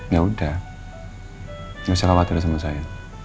yaudah gak usah khawatir sama saya